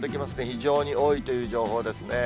非常に多いという情報ですね。